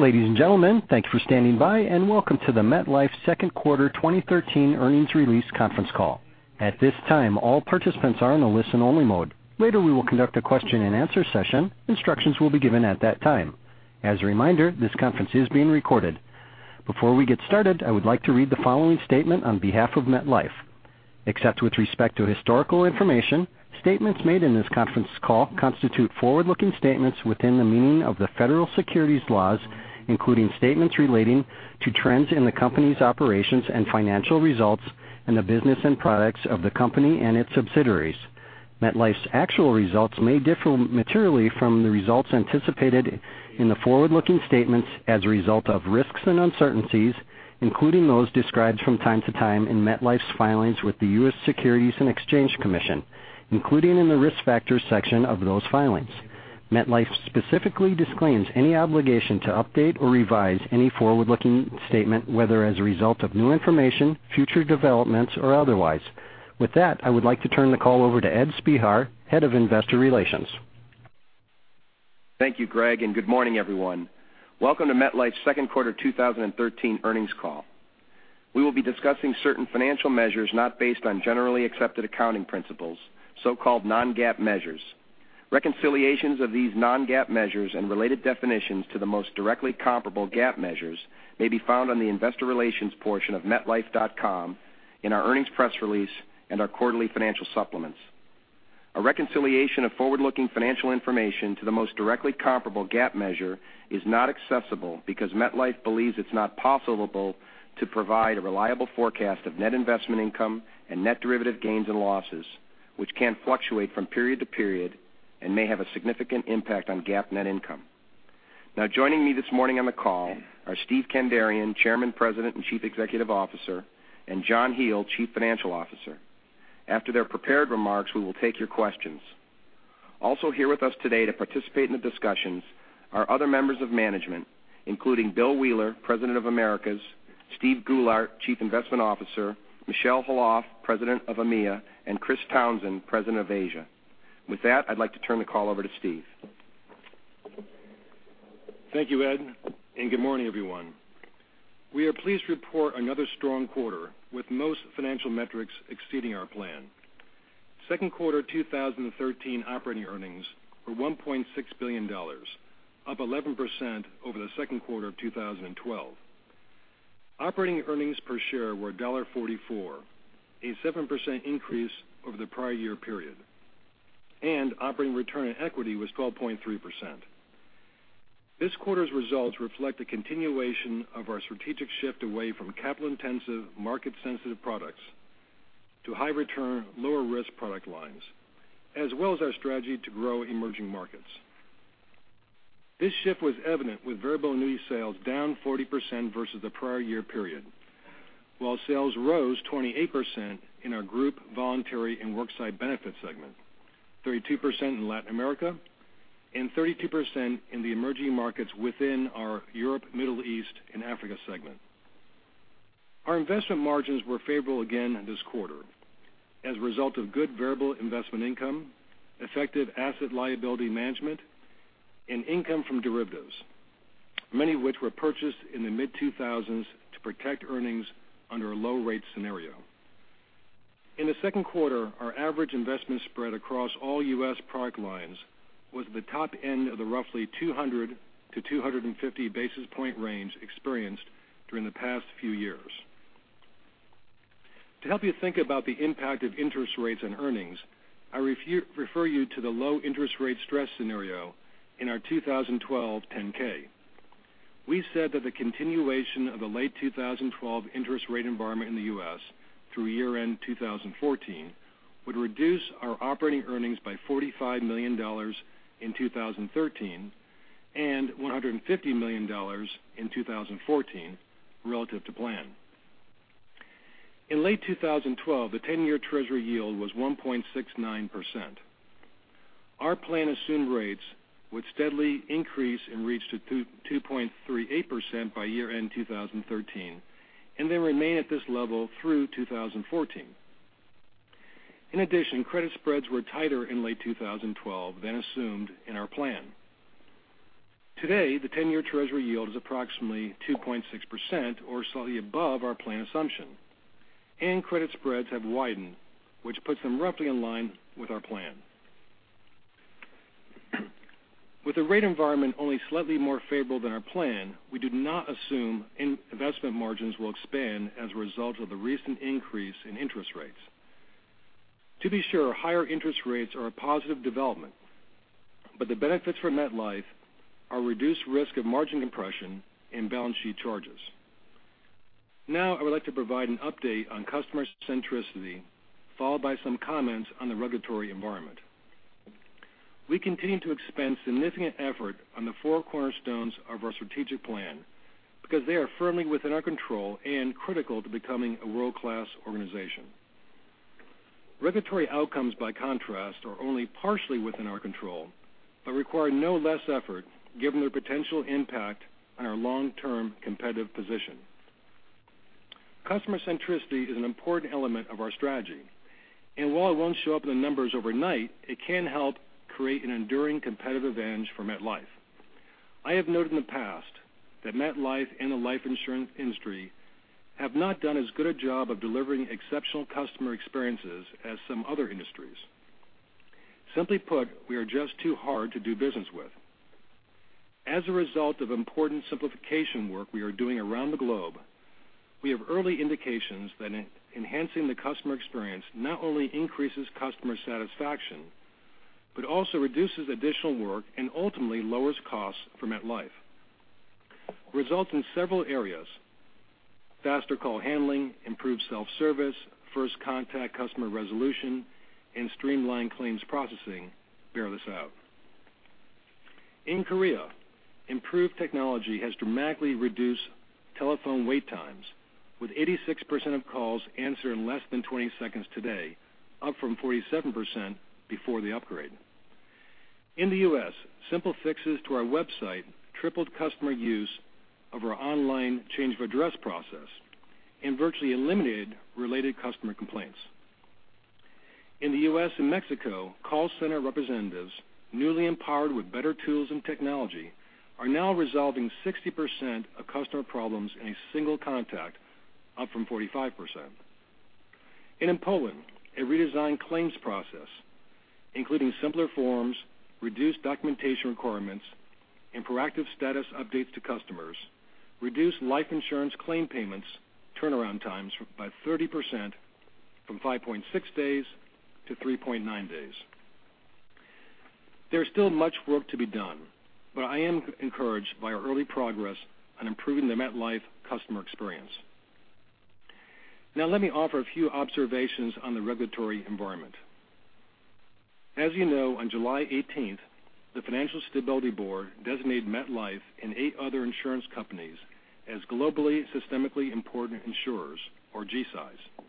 Ladies and gentlemen, thank you for standing by, and welcome to the MetLife second quarter 2013 earnings release conference call. At this time, all participants are in a listen-only mode. Later, we will conduct a question-and-answer session. Instructions will be given at that time. As a reminder, this conference is being recorded. Before we get started, I would like to read the following statement on behalf of MetLife. Except with respect to historical information, statements made in this conference call constitute forward-looking statements within the meaning of the federal securities laws, including statements relating to trends in the company's operations and financial results and the business and products of the company and its subsidiaries. MetLife's actual results may differ materially from the results anticipated in the forward-looking statements as a result of risks and uncertainties, including those described from time to time in MetLife's filings with the U.S. Securities and Exchange Commission, including in the Risk Factors section of those filings. MetLife specifically disclaims any obligation to update or revise any forward-looking statement, whether as a result of new information, future developments, or otherwise. With that, I would like to turn the call over to Ed Spehar, Head of Investor Relations. Thank you, Greg, and good morning, everyone. Welcome to MetLife's second quarter 2013 earnings call. We will be discussing certain financial measures not based on generally accepted accounting principles, so-called non-GAAP measures. Reconciliations of these non-GAAP measures and related definitions to the most directly comparable GAAP measures may be found on the investor relations portion of metlife.com, in our earnings press release, and our quarterly financial supplements. A reconciliation of forward-looking financial information to the most directly comparable GAAP measure is not accessible because MetLife believes it's not possible to provide a reliable forecast of net investment income and net derivative gains and losses, which can fluctuate from period to period and may have a significant impact on GAAP net income. Now joining me this morning on the call are Steve Kandarian, Chairman, President, and Chief Executive Officer, and John Hele, Chief Financial Officer. After their prepared remarks, we will take your questions. Also here with us today to participate in the discussions are other members of management, including Bill Wheeler, President of Americas, Steve Goulart, Chief Investment Officer, Michel Khalaf, President of EMEA, and Chris Townsend, President of Asia. With that, I'd like to turn the call over to Steve. Thank you, Ed, and good morning, everyone. We are pleased to report another strong quarter with most financial metrics exceeding our plan. Second quarter 2013 operating earnings were $1.6 billion, up 11% over the second quarter of 2012. Operating earnings per share were $1.44, a 7% increase over the prior year period, and operating return on equity was 12.3%. This quarter's results reflect a continuation of our strategic shift away from capital-intensive, market-sensitive products to high-return, lower-risk product lines, as well as our strategy to grow emerging markets. This shift was evident with variable annuity sales down 40% versus the prior year period, while sales rose 28% in our group voluntary and worksite benefit segment, 32% in Latin America, and 32% in the emerging markets within our Europe, Middle East, and Africa segment. Our investment margins were favorable again this quarter as a result of good variable investment income, effective asset liability management, and income from derivatives, many of which were purchased in the mid-2000s to protect earnings under a low-rate scenario. In the second quarter, our average investment spread across all U.S. product lines was at the top end of the roughly 200 to 250 basis point range experienced during the past few years. To help you think about the impact of interest rates on earnings, I refer you to the low interest rate stress scenario in our 2012 10-K. We said that the continuation of the late 2012 interest rate environment in the U.S. through year-end 2014 would reduce our operating earnings by $45 million in 2013 and $150 million in 2014 relative to plan. In late 2012, the 10-year Treasury yield was 1.69%. Our plan assumed rates would steadily increase and reach to 2.38% by year-end 2013, and then remain at this level through 2014. In addition, credit spreads were tighter in late 2012 than assumed in our plan. Today, the 10-year Treasury yield is approximately 2.6%, or slightly above our plan assumption, and credit spreads have widened, which puts them roughly in line with our plan. With the rate environment only slightly more favorable than our plan, we do not assume investment margins will expand as a result of the recent increase in interest rates. To be sure, higher interest rates are a positive development, but the benefits for MetLife are reduced risk of margin compression and balance sheet charges. Now, I would like to provide an update on customer centricity, followed by some comments on the regulatory environment. We continue to expend significant effort on the four cornerstones of our strategic plan because they are firmly within our control and critical to becoming a world-class organization. Regulatory outcomes, by contrast, are only partially within our control but require no less effort given their potential impact on our long-term competitive position. Customer centricity is an important element of our strategy, and while it won't show up in the numbers overnight, it can help create an enduring competitive advantage for MetLife. I have noted in the past that MetLife and the life insurance industry have not done as good a job of delivering exceptional customer experiences as some other industries. Simply put, we are just too hard to do business with. As a result of important simplification work we are doing around the globe, we have early indications that enhancing the customer experience not only increases customer satisfaction, but also reduces additional work and ultimately lowers costs for MetLife. Results in several areas, faster call handling, improved self-service, first contact customer resolution, and streamlined claims processing bear this out. In Korea, improved technology has dramatically reduced telephone wait times with 86% of calls answered in less than 20 seconds today, up from 47% before the upgrade. In the U.S., simple fixes to our website tripled customer use of our online change of address process and virtually eliminated related customer complaints. In the U.S. and Mexico, call center representatives, newly empowered with better tools and technology, are now resolving 60% of customer problems in a single contact, up from 45%. In Poland, a redesigned claims process, including simpler forms, reduced documentation requirements, and proactive status updates to customers, reduced life insurance claim payments turnaround times by 30%, from 5.6 days to 3.9 days. There is still much work to be done, but I am encouraged by our early progress on improving the MetLife customer experience. Now let me offer a few observations on the regulatory environment. As you know, on July 18th, the Financial Stability Board designated MetLife and eight other insurance companies as Globally Systemically Important Insurers, or G-SIIs.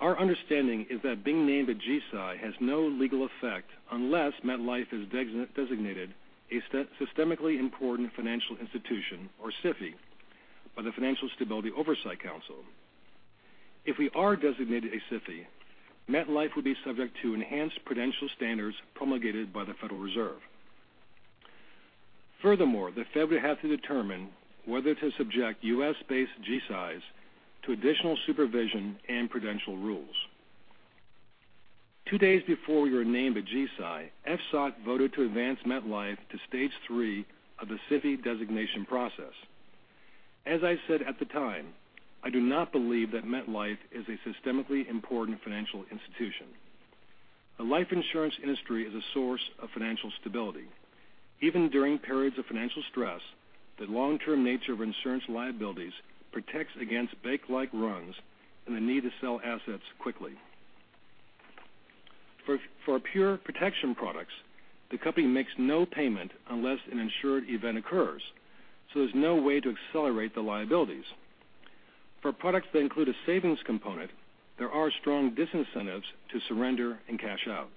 Our understanding is that being named a G-SII has no legal effect unless MetLife is designated a Systemically Important Financial Institution, or SIFI, by the Financial Stability Oversight Council. If we are designated a SIFI, MetLife would be subject to enhanced prudential standards promulgated by the Federal Reserve. Furthermore, the Fed would have to determine whether to subject U.S.-based G-SIIs to additional supervision and prudential rules. Two days before we were named a G-SII, FSOC voted to advance MetLife to stage 3 of the SIFI designation process. As I said at the time, I do not believe that MetLife is a systemically important financial institution. The life insurance industry is a source of financial stability. Even during periods of financial stress, the long-term nature of insurance liabilities protects against bank-like runs and the need to sell assets quickly. For pure protection products, the company makes no payment unless an insured event occurs, so there's no way to accelerate the liabilities. For products that include a savings component, there are strong disincentives to surrender and cash out.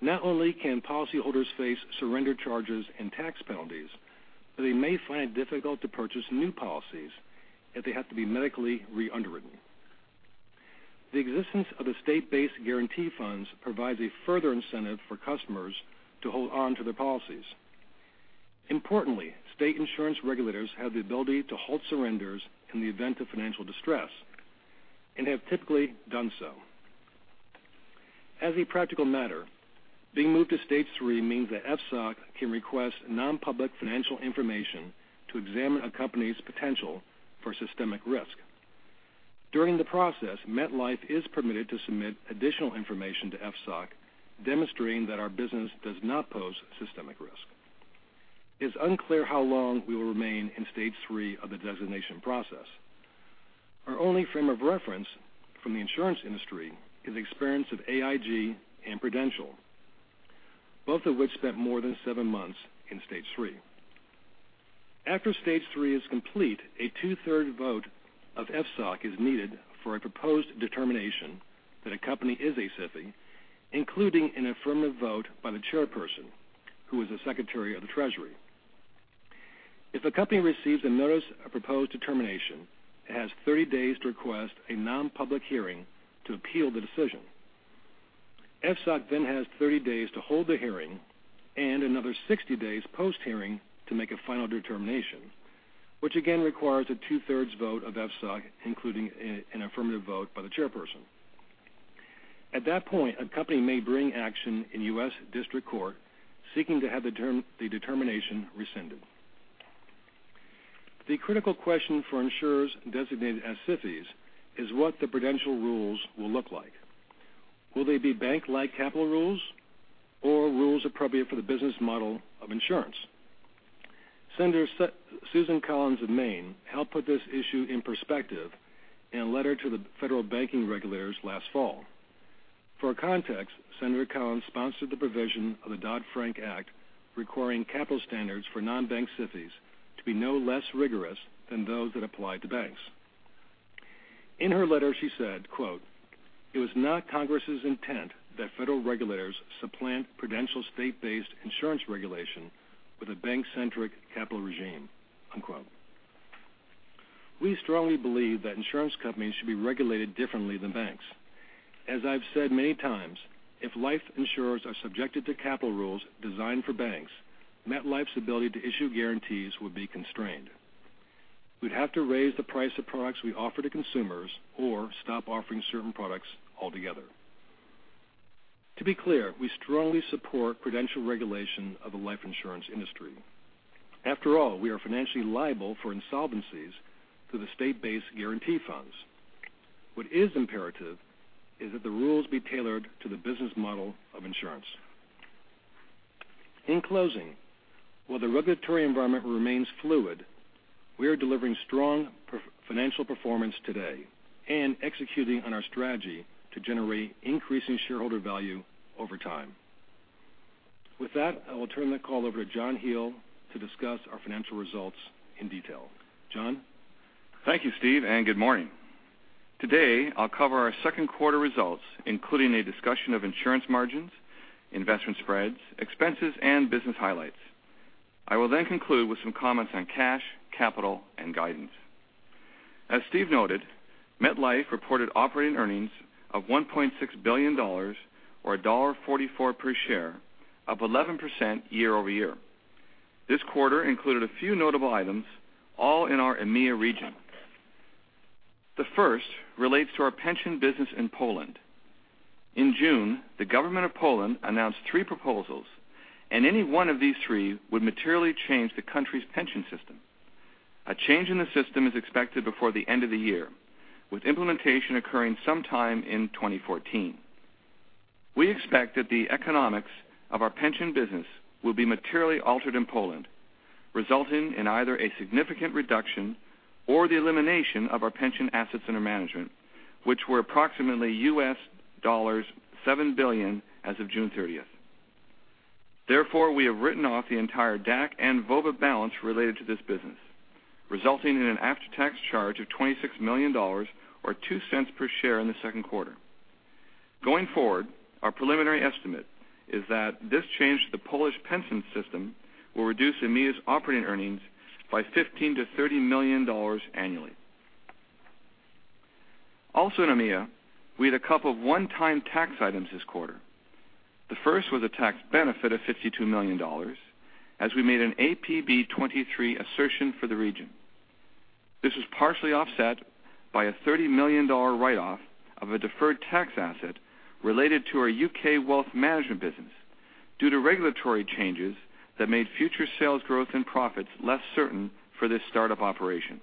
Not only can policyholders face surrender charges and tax penalties, but they may find it difficult to purchase new policies if they have to be medically re-underwritten. The existence of the state-based guarantee funds provides a further incentive for customers to hold onto their policies. Importantly, state insurance regulators have the ability to halt surrenders in the event of financial distress, and have typically done so. As a practical matter, being moved to stage 3 means that FSOC can request non-public financial information to examine a company's potential for systemic risk. During the process, MetLife is permitted to submit additional information to FSOC demonstrating that our business does not pose systemic risk. It's unclear how long we will remain in stage 3 of the designation process. Our only frame of reference from the insurance industry is the experience of AIG and Prudential, both of which spent more than seven months in stage 3. After stage 3 is complete, a two-thirds vote of FSOC is needed for a proposed determination that a company is a SIFI, including an affirmative vote by the chairperson, who is the Secretary of the Treasury. If a company receives a notice of proposed determination, it has 30 days to request a non-public hearing to appeal the decision. FSOC then has 30 days to hold the hearing and another 60 days post-hearing to make a final determination, which again requires a two-thirds vote of FSOC, including an affirmative vote by the chairperson. At that point, a company may bring action in U.S. District Court seeking to have the determination rescinded. The critical question for insurers designated as SIFIs is what the prudential rules will look like. Will they be bank-like capital rules or rules appropriate for the business model of insurance? Senator Susan Collins of Maine helped put this issue in perspective in a letter to the Federal banking regulators last fall. For context, Senator Collins sponsored the provision of the Dodd-Frank Act requiring capital standards for non-bank SIFIs to be no less rigorous than those that apply to banks. In her letter, she said, quote, "It was not Congress's intent that Federal regulators supplant prudential state-based insurance regulation with a bank-centric capital regime." Unquote. We strongly believe that insurance companies should be regulated differently than banks. As I've said many times, if life insurers are subjected to capital rules designed for banks, MetLife's ability to issue guarantees would be constrained. We'd have to raise the price of products we offer to consumers or stop offering certain products altogether. To be clear, we strongly support prudential regulation of the life insurance industry. After all, we are financially liable for insolvencies through the state-based guarantee funds. What is imperative is that the rules be tailored to the business model of insurance. In closing, while the regulatory environment remains fluid, we are delivering strong financial performance today and executing on our strategy to generate increasing shareholder value over time. With that, I will turn the call over to John Hele to discuss our financial results in detail. John? Thank you, Steve, and good morning. Today, I'll cover our second quarter results, including a discussion of insurance margins, investment spreads, expenses, and business highlights. I will then conclude with some comments on cash, capital, and guidance. As Steve noted, MetLife reported operating earnings of $1.6 billion, or $1.44 per share, up 11% year-over-year. This quarter included a few notable items, all in our EMEA region. The first relates to our pension business in Poland. In June, the government of Poland announced three proposals, and any one of these three would materially change the country's pension system. A change in the system is expected before the end of the year, with implementation occurring sometime in 2014. We expect that the economics of our pension business will be materially altered in Poland, resulting in either a significant reduction or the elimination of our pension assets under management, which were approximately $7 billion as of June 30th. Therefore, we have written off the entire DAC and VOBA balance related to this business, resulting in an after-tax charge of $26 million, or $0.02 per share in the second quarter. Going forward, our preliminary estimate is that this change to the Polish pension system will reduce EMEA's operating earnings by $15 million-$30 million annually. Also in EMEA, we had a couple of one-time tax items this quarter. The first was a tax benefit of $52 million as we made an APB 23 assertion for the region. This was partially offset by a $30 million write-off of a deferred tax asset related to our U.K. wealth management business due to regulatory changes that made future sales growth and profits less certain for this start-up operation.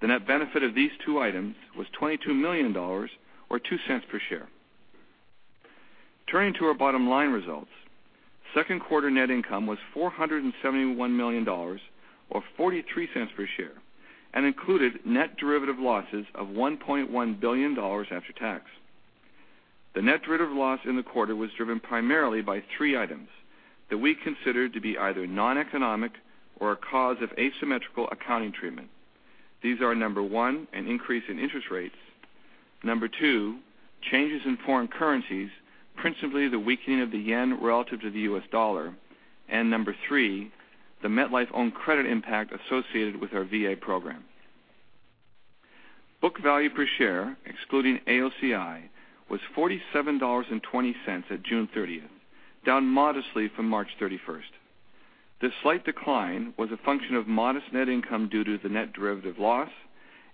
The net benefit of these two items was $22 million, or $0.02 per share. Turning to our bottom line results. Second quarter net income was $471 million, or $0.43 per share, and included net derivative losses of $1.1 billion after tax. The net derivative loss in the quarter was driven primarily by three items that we consider to be either non-economic or a cause of asymmetrical accounting treatment. These are, number 1, an increase in interest rates; number 2, changes in foreign currencies, principally the weakening of the yen relative to the U.S. dollar; and number 3, the MetLife own credit impact associated with our VA program. Book value per share, excluding AOCI, was $47.20 at June 30th, down modestly from March 31st. This slight decline was a function of modest net income due to the net derivative loss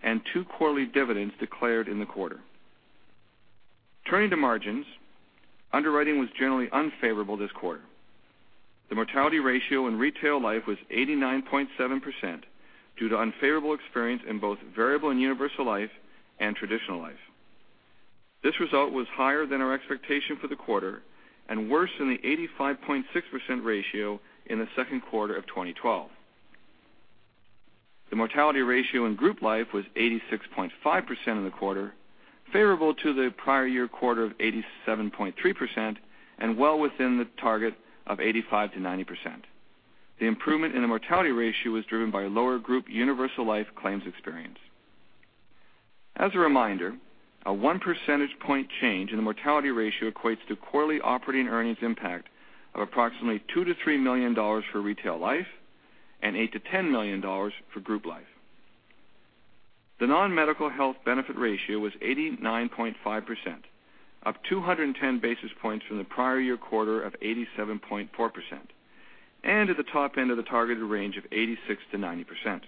and two quarterly dividends declared in the quarter. Turning to margins. Underwriting was generally unfavorable this quarter. The mortality ratio in retail life was 89.7% due to unfavorable experience in both variable and universal life and traditional life. This result was higher than our expectation for the quarter and worse than the 85.6% ratio in the second quarter of 2012. The mortality ratio in group life was 86.5% in the quarter, favorable to the prior year quarter of 87.3%, and well within the target of 85%-90%. The improvement in the mortality ratio was driven by lower group universal life claims experience. As a reminder, a one percentage point change in the mortality ratio equates to quarterly operating earnings impact of approximately $2 million-$3 million for retail life and $8 million-$10 million for group life. The non-medical health benefit ratio was 89.5%, up 210 basis points from the prior year quarter of 87.4%, and at the top end of the targeted range of 86%-90%.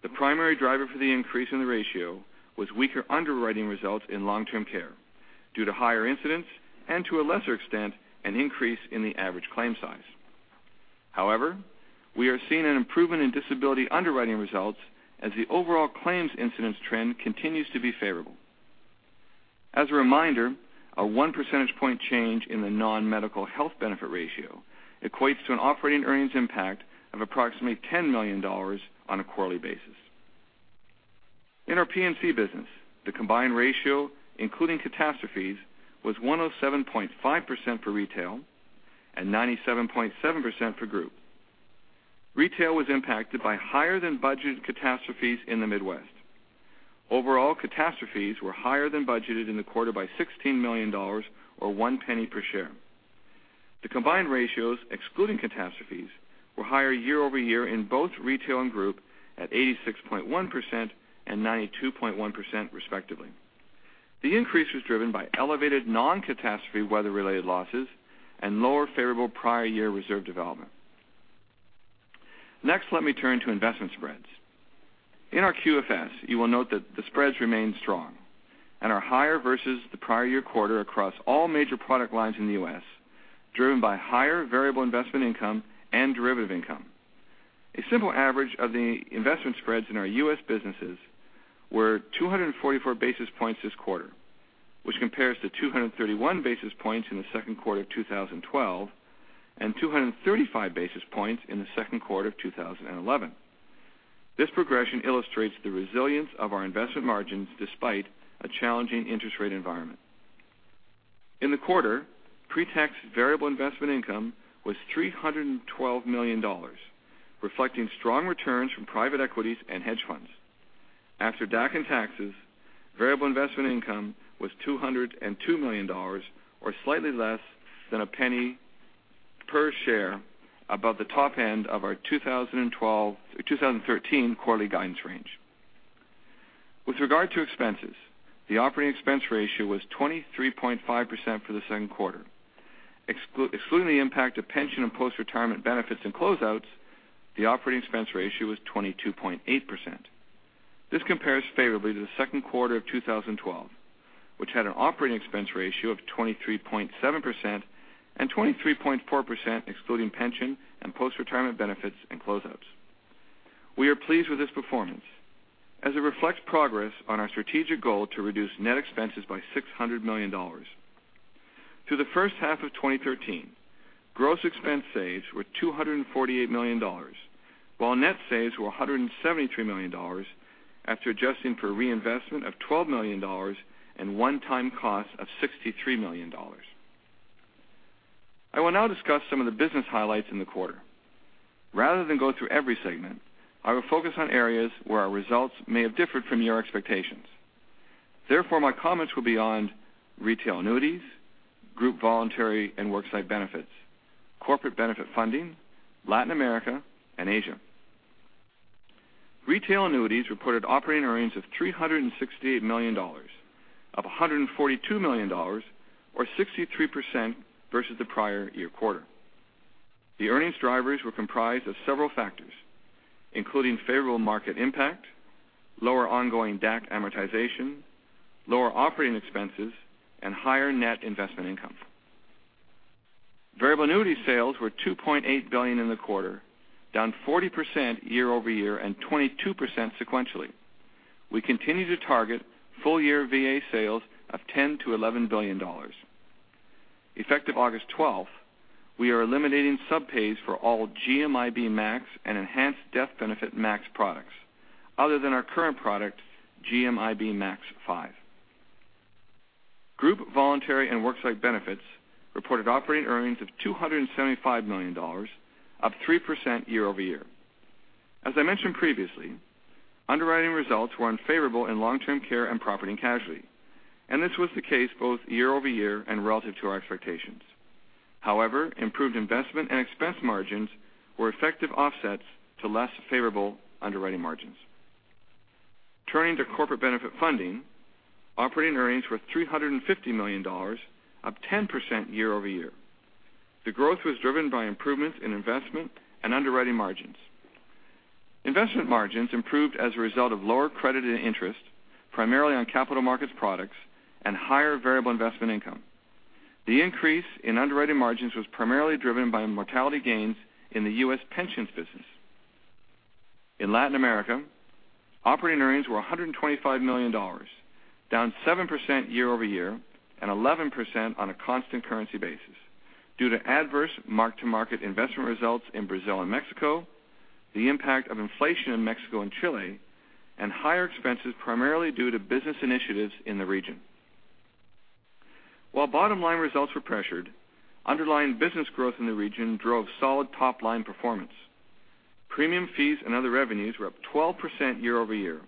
The primary driver for the increase in the ratio was weaker underwriting results in long-term care due to higher incidents, and to a lesser extent, an increase in the average claim size. However, we are seeing an improvement in disability underwriting results as the overall claims incidence trend continues to be favorable. As a reminder, a one percentage point change in the non-medical health benefit ratio equates to an operating earnings impact of approximately $10 million on a quarterly basis. In our P&C business, the combined ratio, including catastrophes, was 107.5% for retail and 97.7% for group. Retail was impacted by higher than budgeted catastrophes in the Midwest. Overall catastrophes were higher than budgeted in the quarter by $16 million or $0.01 per share. The combined ratios, excluding catastrophes, were higher year-over-year in both retail and group at 86.1% and 92.1% respectively. The increase was driven by elevated non-catastrophe weather related losses and lower favorable prior year reserve development. Next, let me turn to investment spreads. In our QFS, you will note that the spreads remain strong and are higher versus the prior year quarter across all major product lines in the U.S., driven by higher variable investment income and derivative income. A simple average of the investment spreads in our U.S. businesses were 244 basis points this quarter, which compares to 231 basis points in the second quarter of 2012 and 235 basis points in the second quarter of 2011. This progression illustrates the resilience of our investment margins despite a challenging interest rate environment. In the quarter, pre-tax variable investment income was $312 million, reflecting strong returns from private equities and hedge funds. After DAC and taxes, variable investment income was $202 million or slightly less than $0.01 per share above the top end of our 2013 quarterly guidance range. With regard to expenses, the operating expense ratio was 23.5% for the second quarter. Excluding the impact of pension and post-retirement benefits and closeouts, the operating expense ratio was 22.8%. This compares favorably to the second quarter of 2012, which had an operating expense ratio of 23.7% and 23.4%, excluding pension and post-retirement benefits and closeouts. We are pleased with this performance as it reflects progress on our strategic goal to reduce net expenses by $600 million. Through the first half of 2013, gross expense saves were $248 million, while net saves were $173 million after adjusting for reinvestment of $12 million and one-time cost of $63 million. I will now discuss some of the business highlights in the quarter. Rather than go through every segment, I will focus on areas where our results may have differed from your expectations. Therefore, my comments will be on retail annuities, group voluntary and worksite benefits, corporate benefit funding, Latin America, and Asia. Retail annuities reported operating earnings of $368 million, up $142 million or 63% versus the prior year quarter. The earnings drivers were comprised of several factors, including favorable market impact, lower ongoing DAC amortization, lower operating expenses and higher net investment income. Variable annuity sales were $2.8 billion in the quarter, down 40% year-over-year and 22% sequentially. We continue to target full year VA sales of $10 billion-$11 billion. Effective August 12th, we are eliminating sub-pays for all GMIB Max and Enhanced Death Benefit Max products other than our current product, GMIB Max 5. Group voluntary and worksite benefits reported operating earnings of $275 million, up 3% year-over-year. As I mentioned previously, underwriting results were unfavorable in long-term care and property and casualty, and this was the case both year-over-year and relative to our expectations. However, improved investment and expense margins were effective offsets to less favorable underwriting margins. Turning to corporate benefit funding, operating earnings were $350 million, up 10% year-over-year. The growth was driven by improvements in investment and underwriting margins. Investment margins improved as a result of lower credit and interest, primarily on capital markets products and higher variable investment income. The increase in underwriting margins was primarily driven by mortality gains in the U.S. pensions business. In Latin America, operating earnings were $125 million, down 7% year-over-year and 11% on a constant currency basis due to adverse mark-to-market investment results in Brazil and Mexico, the impact of inflation in Mexico and Chile, and higher expenses, primarily due to business initiatives in the region. While bottom line results were pressured, underlying business growth in the region drove solid top line performance. Premium fees and other revenues were up 12% year-over-year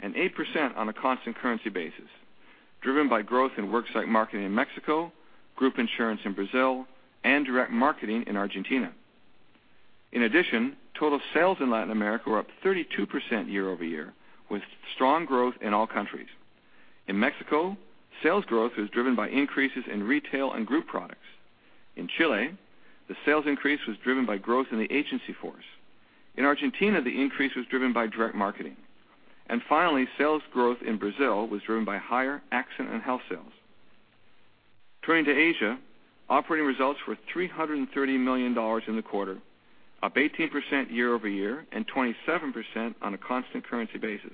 and 8% on a constant currency basis, driven by growth in worksite marketing in Mexico, group insurance in Brazil and direct marketing in Argentina. In addition, total sales in Latin America were up 32% year-over-year, with strong growth in all countries. In Mexico, sales growth was driven by increases in retail and group products. In Chile, the sales increase was driven by growth in the agency force. In Argentina, the increase was driven by direct marketing. Finally, sales growth in Brazil was driven by higher accident and health sales. Turning to Asia, operating results were $330 million in the quarter, up 18% year-over-year and 27% on a constant currency basis.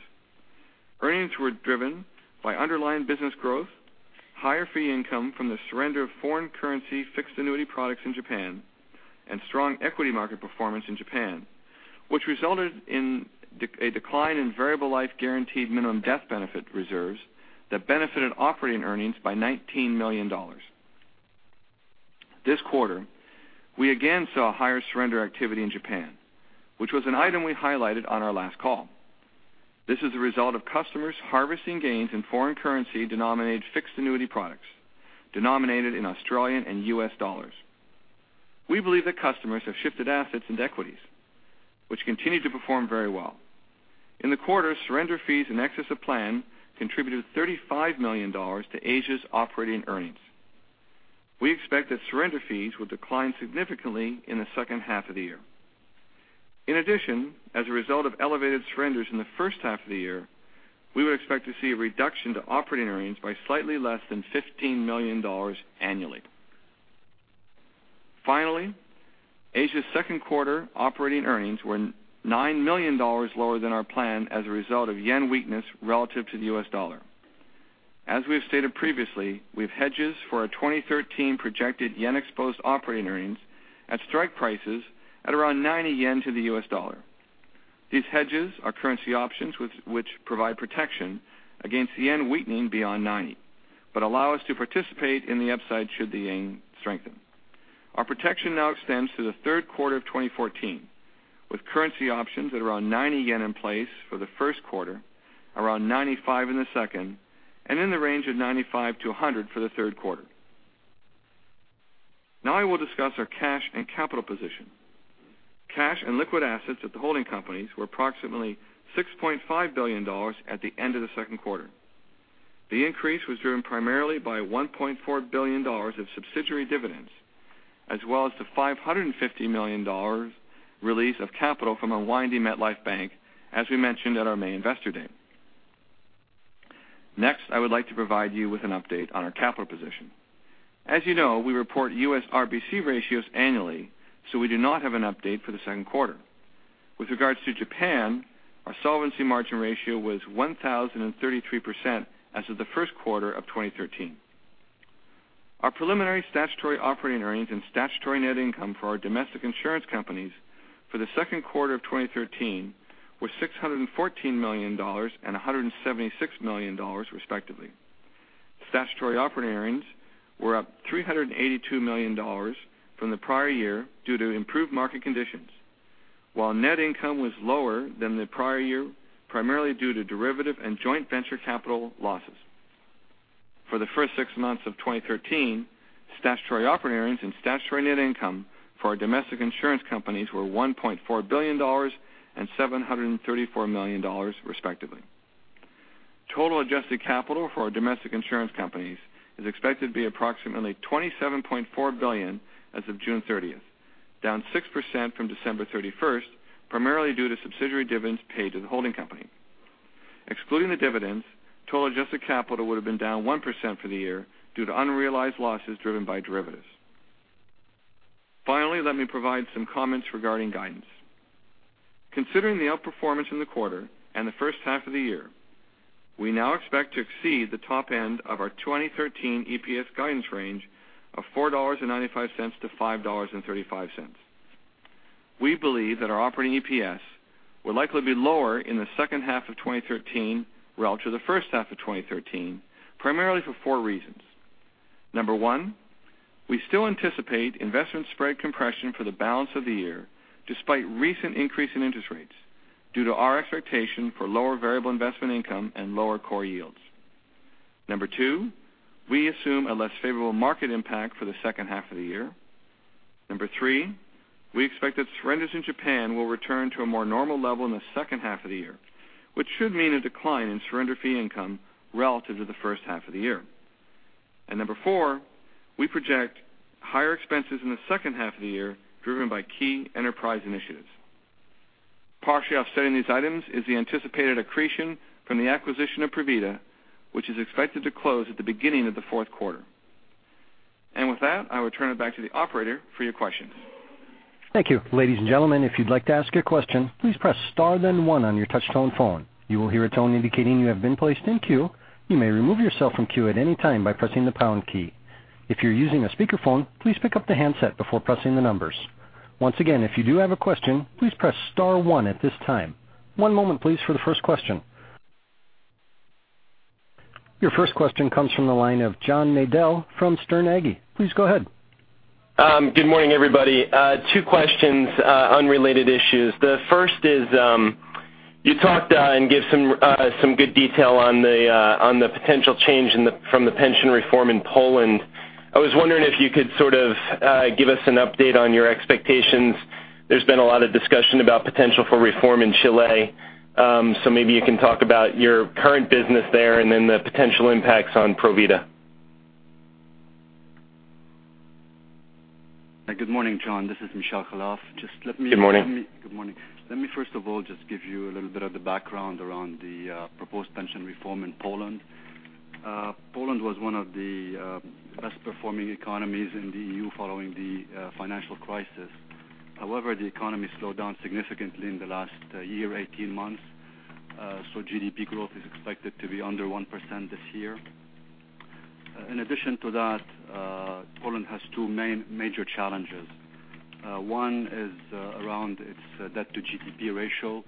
Earnings were driven by underlying business growth, higher fee income from the surrender of foreign currency fixed annuity products in Japan, and strong equity market performance in Japan, which resulted in a decline in variable life guaranteed minimum death benefit reserves that benefited operating earnings by $19 million. This quarter, we again saw higher surrender activity in Japan, which was an item we highlighted on our last call. This is a result of customers harvesting gains in foreign currency-denominated fixed annuity products, denominated in Australian and U.S. dollars. We believe that customers have shifted assets into equities, which continue to perform very well. In the quarter, surrender fees in excess of plan contributed $35 million to Asia's operating earnings. We expect that surrender fees will decline significantly in the second half of the year. In addition, as a result of elevated surrenders in the first half of the year, we would expect to see a reduction to operating earnings by slightly less than $15 million annually. Finally, Asia's second quarter operating earnings were $9 million lower than our plan as a result of JPY weakness relative to the U.S. dollar. As we have stated previously, we have hedges for our 2013 projected JPY-exposed operating earnings at strike prices at around 90 yen to the U.S. dollar. These hedges are currency options which provide protection against the JPY weakening beyond 90, but allow us to participate in the upside should the JPY strengthen. Our protection now extends to the third quarter of 2014, with currency options at around 90 yen in place for the first quarter, around 95 in the second, and in the range of 95 to 100 for the third quarter. I will discuss our cash and capital position. Cash and liquid assets at the holding companies were approximately $6.5 billion at the end of the second quarter. The increase was driven primarily by $1.4 billion of subsidiary dividends, as well as the $550 million release of capital from unwinding MetLife Bank, as we mentioned at our May investor day. I would like to provide you with an update on our capital position. As you know, we report U.S. RBC ratios annually, so we do not have an update for the second quarter. With regards to Japan, our solvency margin ratio was 1,033% as of the first quarter of 2013. Our preliminary statutory operating earnings and statutory net income for our domestic insurance companies for the second quarter of 2013 were $614 million and $176 million respectively. Statutory operating earnings were up $382 million from the prior year due to improved market conditions, while net income was lower than the prior year, primarily due to derivative and joint venture capital losses. For the first six months of 2013, statutory operating earnings and statutory net income for our domestic insurance companies were $1.4 billion and $734 million respectively. Total adjusted capital for our domestic insurance companies is expected to be approximately $27.4 billion as of June 30th, down 6% from December 31st, primarily due to subsidiary dividends paid to the holding company. Excluding the dividends, total adjusted capital would've been down 1% for the year due to unrealized losses driven by derivatives. Let me provide some comments regarding guidance. Considering the outperformance in the quarter and the first half of the year, we now expect to exceed the top end of our 2013 EPS guidance range of $4.95 to $5.35. We believe that our operating EPS will likely be lower in the second half of 2013 relative to the first half of 2013, primarily for four reasons. Number one, we still anticipate investment spread compression for the balance of the year, despite recent increase in interest rates due to our expectation for lower variable investment income and lower core yields. Number two, we assume a less favorable market impact for the second half of the year. Number three, we expect that surrenders in Japan will return to a more normal level in the second half of the year, which should mean a decline in surrender fee income relative to the first half of the year. Number four, we project higher expenses in the second half of the year, driven by key enterprise initiatives. Partially offsetting these items is the anticipated accretion from the acquisition of Provida, which is expected to close at the beginning of the fourth quarter. With that, I will turn it back to the operator for your questions. Thank you. Ladies and gentlemen, if you'd like to ask a question, please press star then one on your touch tone phone. You will hear a tone indicating you have been placed in queue. You may remove yourself from queue at any time by pressing the pound key. If you're using a speakerphone, please pick up the handset before pressing the numbers. Once again, if you do have a question, please press star one at this time. One moment please for the first question. Your first question comes from the line of John Nadel from Sterne Agee. Please go ahead. Good morning, everybody. Two questions, unrelated issues. The first is, you talked and gave some good detail on the potential change from the pension reform in Poland. I was wondering if you could sort of give us an update on your expectations. There's been a lot of discussion about potential for reform in Chile, so maybe you can talk about your current business there and then the potential impacts on Provida. Good morning, John. This is Michel Khalaf. Good morning. Good morning. Let me, first of all, just give you a little bit of the background around the proposed pension reform in Poland. Poland was one of the best-performing economies in the EU following the financial crisis. The economy slowed down significantly in the last year, 18 months, so GDP growth is expected to be under 1% this year. In addition to that, Poland has two major challenges. One is around its debt-to-GDP ratio,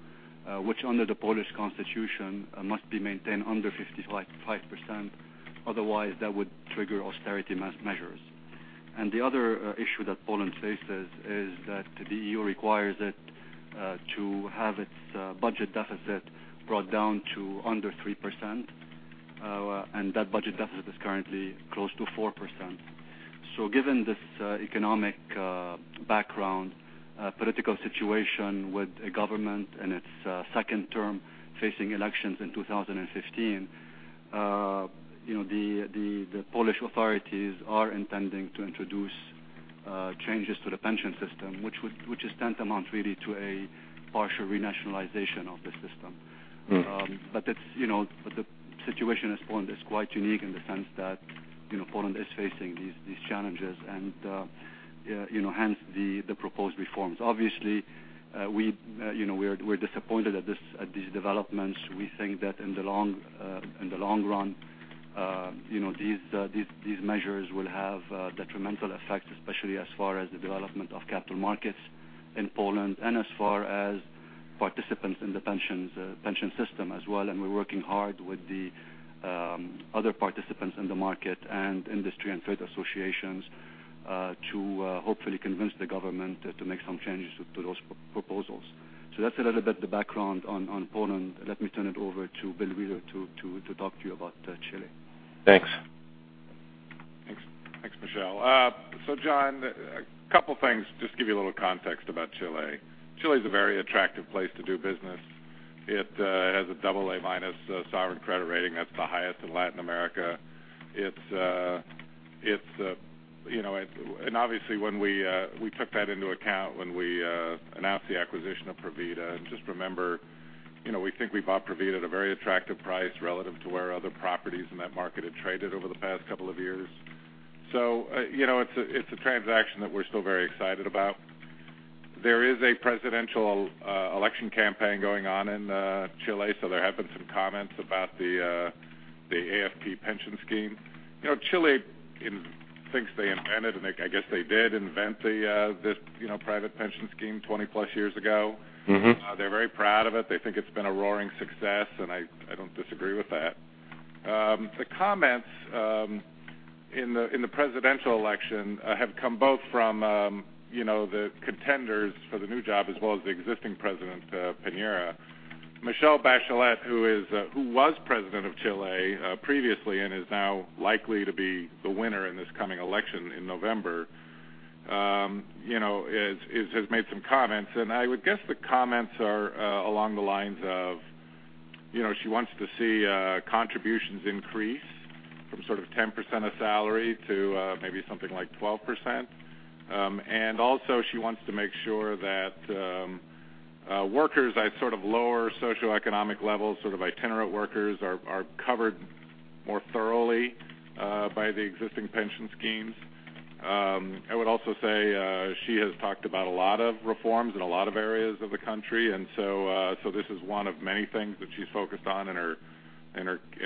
which under the Polish constitution, must be maintained under 55%, otherwise that would trigger austerity measures. The other issue that Poland faces is that the EU requires it to have its budget deficit brought down to under 3%, and that budget deficit is currently close to 4%. Given this economic background, political situation with a government in its second term, facing elections in 2015, the Polish authorities are intending to introduce changes to the pension system, which is tantamount really to a partial renationalization of the system. The situation in Poland is quite unique in the sense that Poland is facing these challenges and hence the proposed reforms. Obviously, we're disappointed at these developments. We think that in the long run, these measures will have a detrimental effect, especially as far as the development of capital markets in Poland and as far as participants in the pension system as well. We're working hard with the other participants in the market and industry and trade associations to hopefully convince the government to make some changes to those proposals. That's a little bit the background on Poland. Let me turn it over to Bill Wheeler to talk to you about Chile. Thanks. Thanks, Michel. John, a couple of things just to give you a little context about Chile. Chile's a very attractive place to do business. It has a double A minus sovereign credit rating. That's the highest in Latin America. Obviously we took that into account when we announced the acquisition of Provida. Just remember, we think we bought Provida at a very attractive price relative to where other properties in that market had traded over the past couple of years. It's a transaction that we're still very excited about. There is a presidential election campaign going on in Chile, so there have been some comments about the AFP pension scheme. Chile thinks they invented, and I guess they did invent this private pension scheme 20 plus years ago. They're very proud of it. They think it's been a roaring success, I don't disagree with that. The comments in the presidential election have come both from the contenders for the new job as well as the existing president, Piñera. Michelle Bachelet, who was president of Chile previously and is now likely to be the winner in this coming election in November, has made some comments. I would guess the comments are along the lines of, she wants to see contributions increase from 10% of salary to maybe something like 12%. Also, she wants to make sure that workers at lower socioeconomic levels, sort of itinerant workers, are covered more thoroughly by the existing pension schemes. I would also say she has talked about a lot of reforms in a lot of areas of the country. This is one of many things that she's focused on in her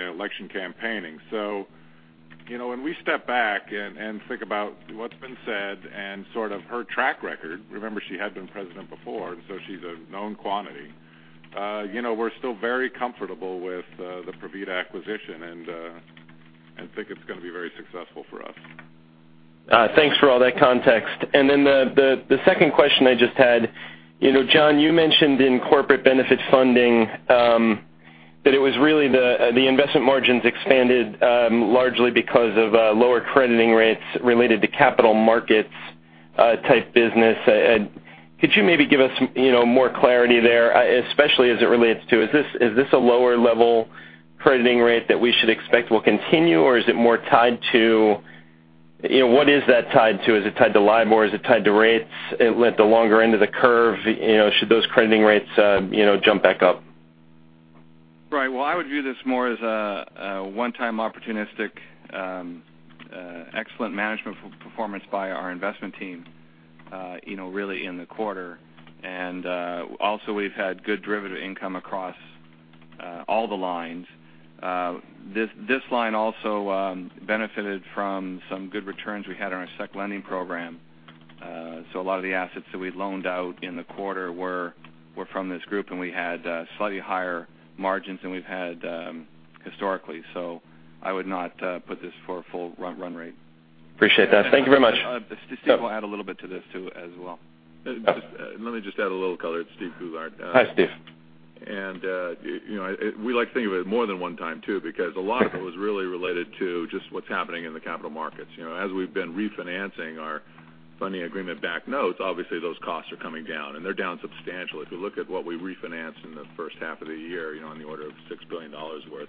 election campaigning. When we step back and think about what's been said and her track record, remember, she had been president before, she's a known quantity. We're still very comfortable with the Provida acquisition and think it's going to be very successful for us. Thanks for all that context. The second question I just had, John, you mentioned in corporate benefits funding, that it was really the investment margins expanded largely because of lower crediting rates related to capital markets type business. Could you maybe give us more clarity there, especially as it relates to, is this a lower level crediting rate that we should expect will continue, or is it more tied to what is that tied to? Is it tied to LIBOR? Is it tied to rates at the longer end of the curve? Should those crediting rates jump back up? Right. Well, I would view this more as a one-time opportunistic, excellent management performance by our investment team really in the quarter. Also, we've had good derivative income across all the lines. This line also benefited from some good returns we had on our securities lending program. A lot of the assets that we loaned out in the quarter were from this group, and we had slightly higher margins than we've had historically. I would not put this for a full run rate. Appreciate that. Thank you very much. Steve will add a little bit to this, too, as well. Okay. Let me just add a little color. It's Steven Goulart. Hi, Steve. We like to think of it more than one time, too, because a lot of it was really related to just what's happening in the capital markets. As we've been refinancing our funding agreement-backed notes, obviously those costs are coming down. They're down substantially. If you look at what we refinanced in the first half of the year on the order of $6 billion worth,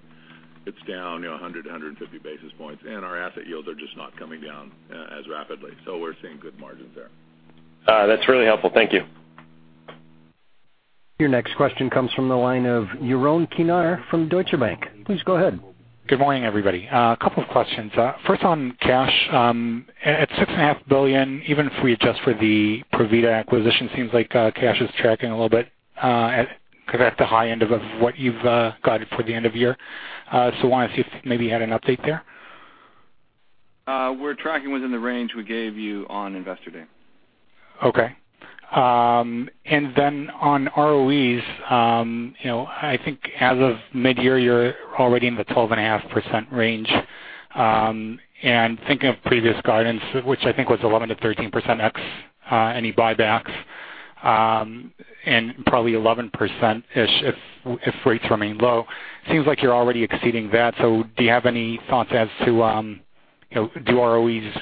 it's down 100 to 150 basis points. Our asset yields are just not coming down as rapidly. We're seeing good margins there. That's really helpful. Thank you. Your next question comes from the line of Jeroen Kinner from Deutsche Bank. Please go ahead. Good morning, everybody. A couple of questions. First, on cash. At $six and a half billion, even if we adjust for the Provida acquisition, seems like cash is tracking a little bit at the high end of what you've guided for the end of year. I want to see if maybe you had an update there. We're tracking within the range we gave you on Investor Day. Okay. On ROEs, I think as of mid-year, you're already in the 12.5% range. Thinking of previous guidance, which I think was 11%-13% ex any buybacks, and probably 11%-ish if rates remain low, it seems like you're already exceeding that. Do you have any thoughts as to do ROEs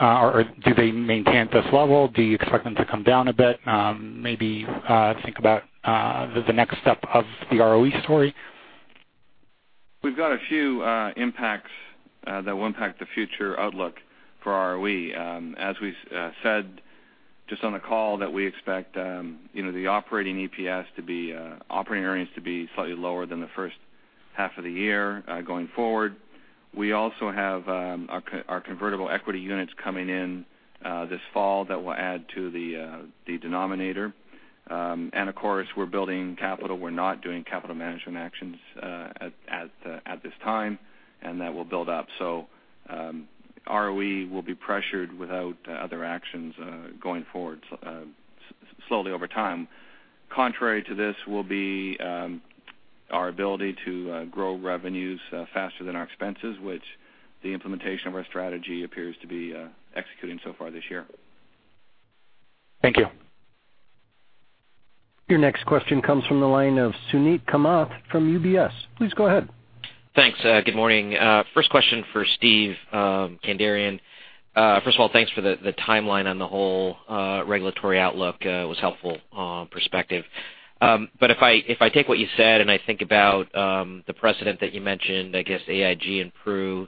or do they maintain at this level? Do you expect them to come down a bit? Maybe think about the next step of the ROE story. We've got a few impacts that will impact the future outlook for ROE. As we said just on the call that we expect the operating earnings to be slightly lower than the first half of the year going forward. We also have our convertible equity units coming in this fall that will add to the denominator. Of course, we're building capital. We're not doing capital management actions at this time, and that will build up. ROE will be pressured without other actions going forward slowly over time. Contrary to this will be our ability to grow revenues faster than our expenses, which the implementation of our strategy appears to be executing so far this year. Thank you. Your next question comes from the line of Suneet Kamath from UBS. Please go ahead. Thanks. Good morning. First question for Steve Kandarian. First of all, thanks for the timeline on the whole regulatory outlook. It was helpful perspective. If I take what you said and I think about the precedent that you mentioned, I guess AIG and Pru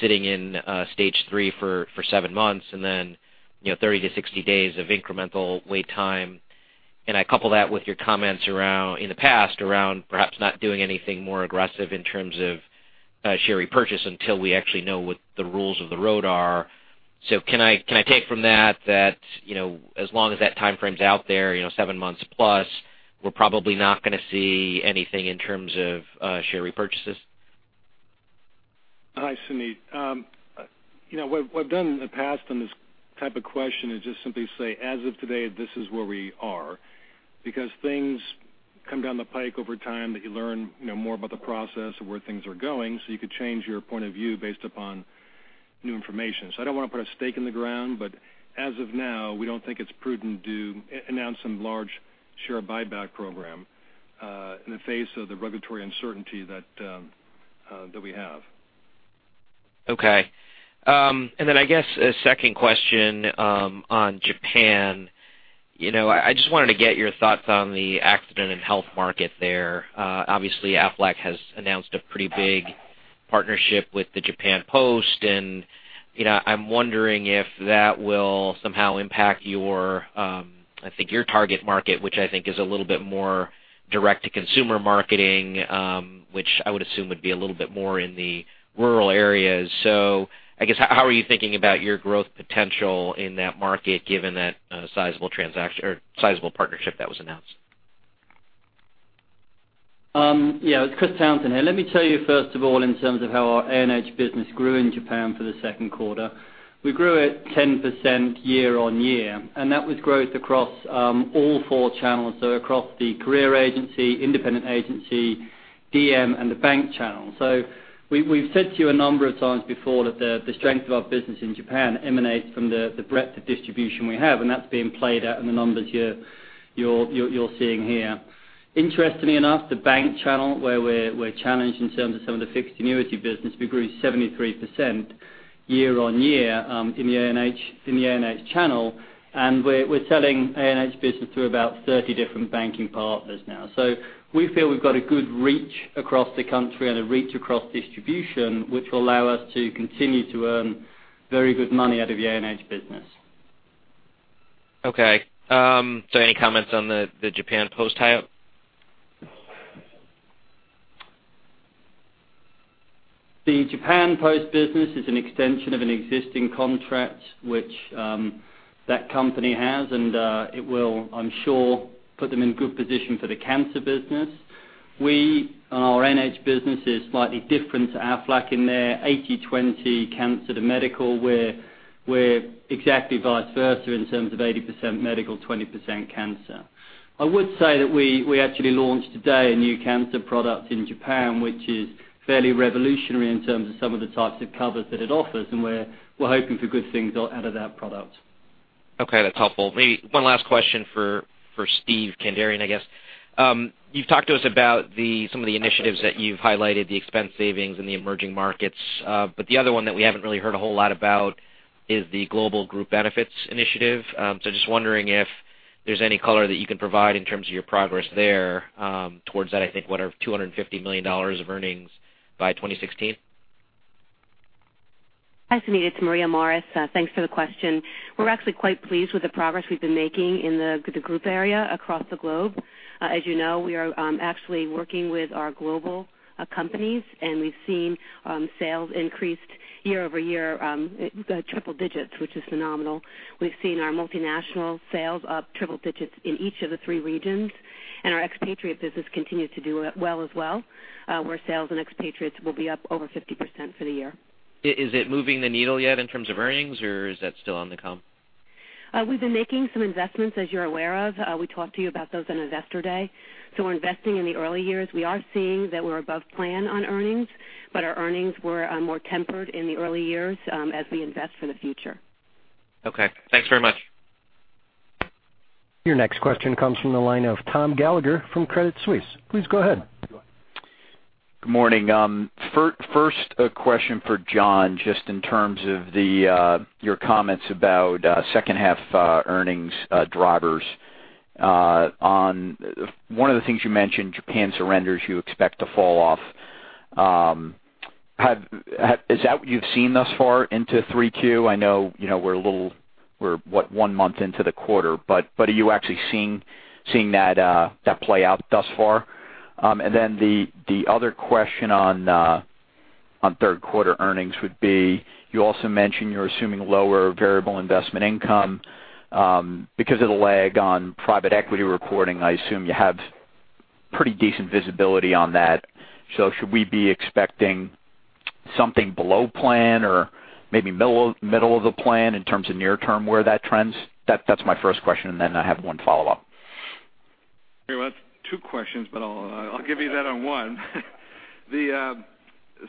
sitting in stage 3 for seven months and then 30-60 days of incremental wait time, and I couple that with your comments in the past around perhaps not doing anything more aggressive in terms of share repurchase until we actually know what the rules of the road are. Can I take from that as long as that timeframe's out there, seven months plus, we're probably not going to see anything in terms of share repurchases? Hi, Suneet. What I've done in the past on this type of question is just simply say, as of today, this is where we are because things come down the pike over time that you learn more about the process of where things are going, so you could change your point of view based upon new information. I don't want to put a stake in the ground, but as of now, we don't think it's prudent to announce some large share buyback program in the face of the regulatory uncertainty that we have. Okay. I guess a second question on Japan. I just wanted to get your thoughts on the accident and health market there. Obviously Aflac has announced a pretty big partnership with the Japan Post, and I'm wondering if that will somehow impact your target market, which I think is a little bit more direct-to-consumer marketing, which I would assume would be a little bit more in the rural areas. I guess how are you thinking about your growth potential in that market given that sizable partnership that was announced? Yeah. It's Chris Townsend here. Let me tell you, first of all, in terms of how our A&H business grew in Japan for the second quarter. We grew at 10% year-over-year, and that was growth across all four channels. Across the career agency, independent agency, DM, and the bank channel. We've said to you a number of times before that the strength of our business in Japan emanates from the breadth of distribution we have, and that's being played out in the numbers you're seeing here. Interestingly enough, the bank channel where we're challenged in terms of some of the fixed annuity business, we grew 73% year-over-year in the A&H channel, and we're selling A&H business through about 30 different banking partners now. We feel we've got a good reach across the country and a reach across distribution, which will allow us to continue to earn very good money out of the A&H business. Okay. Any comments on the Japan Post tie-up? The Japan Post business is an extension of an existing contract which that company has, and it will, I'm sure, put them in good position for the cancer business. Our A&H business is slightly different to Aflac in their 80/20 cancer to medical where we're exactly vice versa in terms of 80% medical, 20% cancer. I would say that we actually launched today a new cancer product in Japan, which is fairly revolutionary in terms of some of the types of covers that it offers, and we're hoping for good things out of that product. Okay. That's helpful. Maybe one last question for Steven Kandarian, I guess. You've talked to us about some of the initiatives that you've highlighted, the expense savings and the emerging markets. The other one that we haven't really heard a whole lot about is the Global Group Benefits Initiative. Just wondering if there's any color that you can provide in terms of your progress there towards that, I think, what are $250 million of earnings by 2016? Hi, Suneet. It's Maria Morris. Thanks for the question. We're actually quite pleased with the progress we've been making in the group area across the globe. As you know, we are actually working with our global companies, we've seen sales increased year-over-year triple digits, which is phenomenal. We've seen our multinational sales up triple digits in each of the 3 regions, our expatriate business continued to do well as well, where sales and expatriates will be up over 50% for the year. Is it moving the needle yet in terms of earnings, or is that still on the come? We've been making some investments, as you're aware of. We talked to you about those on Investor Day. We're investing in the early years. We are seeing that we're above plan on earnings, our earnings were more tempered in the early years as we invest for the future. Okay. Thanks very much. Your next question comes from the line of Tom Gallagher from Credit Suisse. Please go ahead. Good morning. First question for John, just in terms of your comments about second half earnings drivers. One of the things you mentioned, Japan surrenders you expect to fall off. Is that what you've seen thus far into Q3? I know we're one month into the quarter, but are you actually seeing that play out thus far? The other question on third quarter earnings would be, you also mentioned you're assuming lower variable investment income because of the lag on private equity reporting. I assume you have pretty decent visibility on that. Should we be expecting something below plan or maybe middle of the plan in terms of near term where that trends? That's my first question, I have one follow-up. Well, that's two questions, but I'll give you that on one. The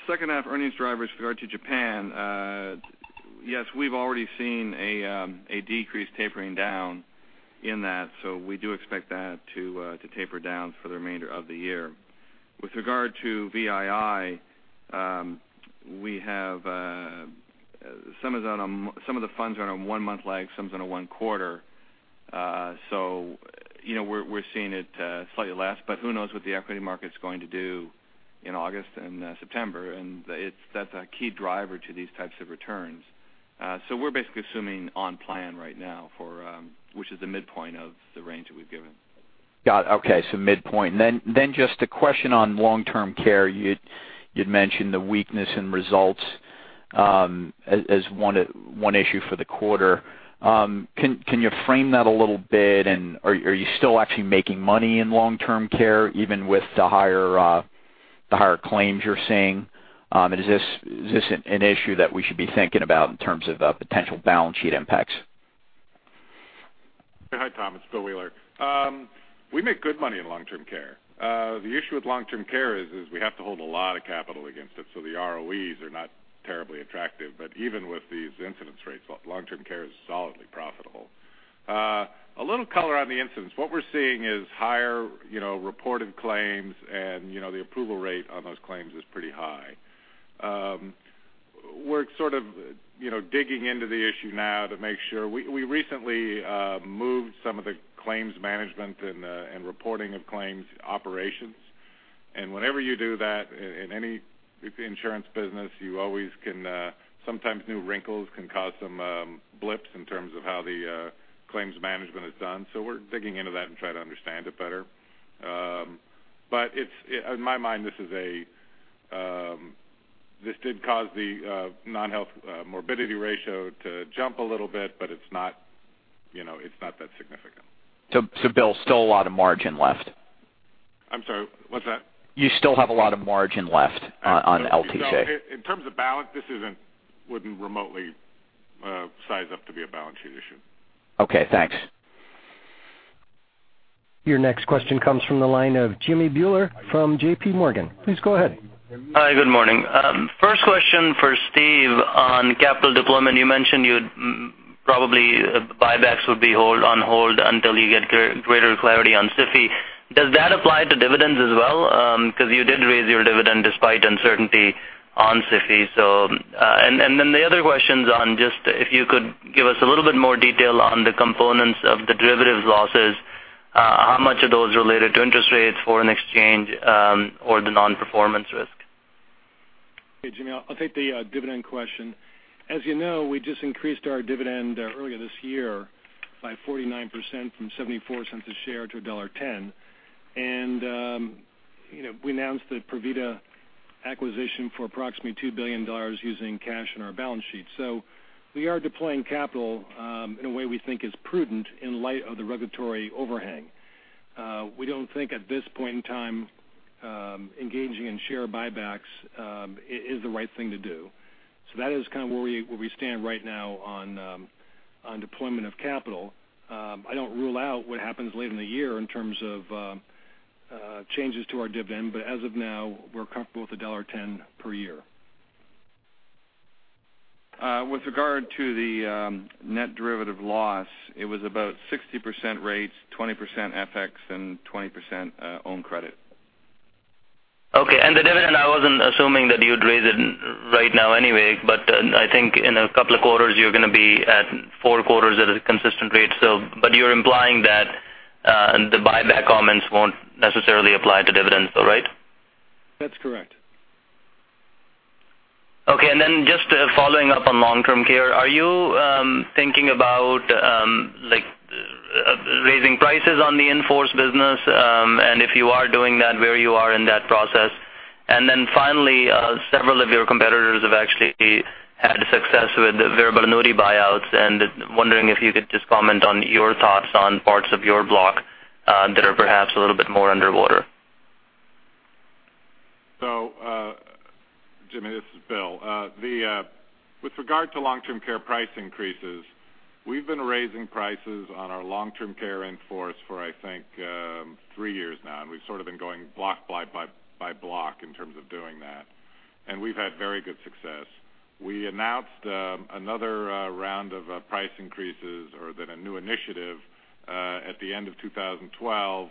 second half earnings drivers with regard to Japan. Yes, we've already seen a decrease tapering down in that, so we do expect that to taper down for the remainder of the year. With regard to VII, some of the funds are on a one-month lag, some is on a one quarter. We're seeing it slightly less, but who knows what the equity market's going to do in August and September, and that's a key driver to these types of returns. We're basically assuming on plan right now, which is the midpoint of the range that we've given. Got it. Midpoint. Then just a question on long-term care. You'd mentioned the weakness in results as one issue for the quarter. Can you frame that a little bit? Are you still actually making money in long-term care, even with the higher claims you're seeing? Is this an issue that we should be thinking about in terms of potential balance sheet impacts? Hi, Tom, it's Bill Wheeler. We make good money in long-term care. The issue with long-term care is we have to hold a lot of capital against it, so the ROEs are not terribly attractive. Even with these incidence rates, long-term care is solidly profitable. A little color on the incidence. What we're seeing is higher reported claims and the approval rate on those claims is pretty high. We're sort of digging into the issue now to make sure. We recently moved some of the claims management and reporting of claims operations. Whenever you do that in any insurance business, sometimes new wrinkles can cause some blips in terms of how the claims management is done. We're digging into that and trying to understand it better. In my mind, this did cause the non-health morbidity ratio to jump a little bit, but it's not that significant. Bill, still a lot of margin left? I'm sorry, what's that? You still have a lot of margin left on LTC? In terms of balance, this wouldn't remotely size up to be a balance sheet issue. Okay, thanks. Your next question comes from the line of Jimmy Bhullar from J.P. Morgan. Please go ahead. Hi, good morning. First question for Steve on capital deployment. You mentioned probably buybacks would be on hold until you get greater clarity on SIFI. Does that apply to dividends as well? Because you did raise your dividend despite uncertainty on SIFI. Then the other question is on just if you could give us a little bit more detail on the components of the derivatives losses. How much of those are related to interest rates, foreign exchange, or the non-performance risk? Hey, Jimmy. I'll take the dividend question. As you know, we just increased our dividend earlier this year by 49% from $0.74 a share to $1.10. We announced the Provida acquisition for approximately $2 billion using cash on our balance sheet. We are deploying capital in a way we think is prudent in light of the regulatory overhang. We don't think at this point in time engaging in share buybacks is the right thing to do. That is kind of where we stand right now on deployment of capital. I don't rule out what happens later in the year in terms of changes to our dividend, but as of now, we're comfortable with the $1.10 per year. With regard to the net derivative loss, it was about 60% rates, 20% FX, and 20% own credit. Okay. The dividend, I wasn't assuming that you'd raise it right now anyway, but I think in a couple of quarters, you're going to be at four quarters at a consistent rate. You're implying that the buyback comments won't necessarily apply to dividends, though, right? That's correct. Okay. Just following up on long-term care, are you thinking about raising prices on the in-force business? If you are doing that, where you are in that process? Finally, several of your competitors have actually had success with variable annuity buyouts, wondering if you could just comment on your thoughts on parts of your block that are perhaps a little bit more underwater Jimmy, this is Bill. With regard to long-term care price increases, we've been raising prices on our long-term care in-force for, I think, three years now, we've sort of been going block by block in terms of doing that. We've had very good success. We announced another round of price increases or then a new initiative, at the end of 2012,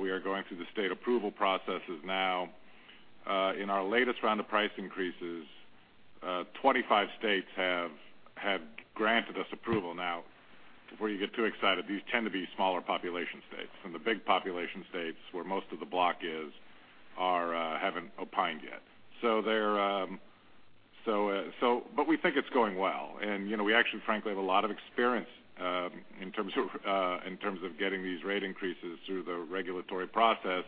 we are going through the state approval processes now. In our latest round of price increases, 25 states have granted us approval now. Before you get too excited, these tend to be smaller population states. Some of the big population states, where most of the block is, haven't opined yet. We think it's going well, we actually, frankly, have a lot of experience in terms of getting these rate increases through the regulatory process,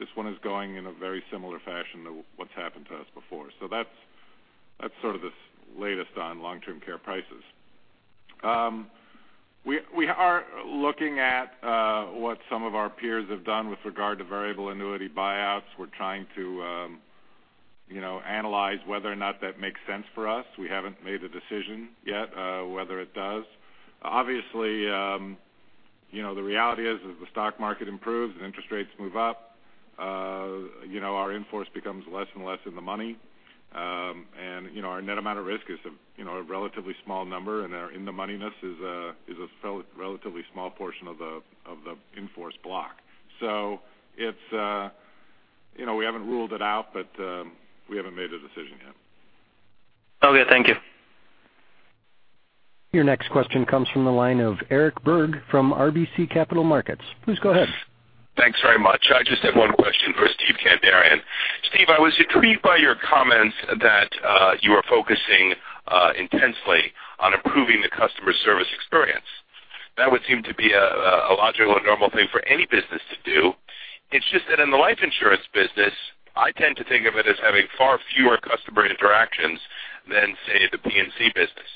this one is going in a very similar fashion to what's happened to us before. That's sort of the latest on long-term care prices. We are looking at what some of our peers have done with regard to variable annuity buyouts. We're trying to analyze whether or not that makes sense for us. We haven't made a decision yet whether it does. Obviously, the reality is, as the stock market improves and interest rates move up, our in-force becomes less and less in the money. Our net amount at risk is a relatively small number, our in-the-moneyness is a relatively small portion of the in-force block. We haven't ruled it out, we haven't made a decision yet. Okay. Thank you. Your next question comes from the line of Eric Berg from RBC Capital Markets. Please go ahead. Thanks very much. I just have one question for Steven Kandarian. Steve, I was intrigued by your comments that you are focusing intensely on improving the customer service experience. That would seem to be a logical and normal thing for any business to do. It's just that in the life insurance business, I tend to think of it as having far fewer customer interactions than, say, the P&C business.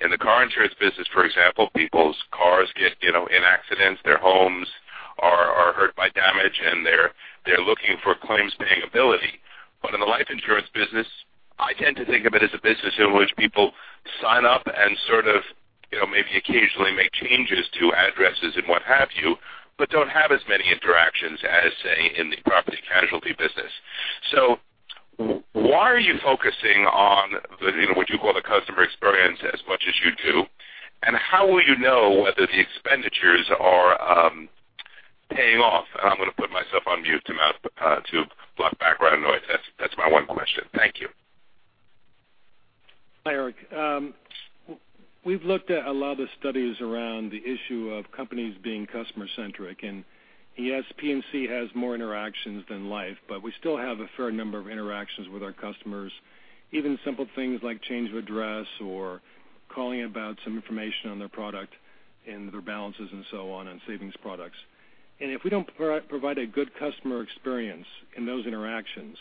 In the car insurance business, for example, people's cars get in accidents, their homes are hurt by damage, and they're looking for claims-paying ability. In the life insurance business, I tend to think of it as a business in which people sign up and sort of maybe occasionally make changes to addresses and what have you, but don't have as many interactions as, say, in the property casualty business. Why are you focusing on what you call the customer experience as much as you do, and how will you know whether the expenditures are paying off? I'm going to put myself on mute to block background noise. That's my one question. Thank you. Hi, Eric. We've looked at a lot of the studies around the issue of companies being customer-centric. Yes, P&C has more interactions than life, but we still have a fair number of interactions with our customers, even simple things like change of address or calling about some information on their product and their balances and so on savings products. If we don't provide a good customer experience in those interactions,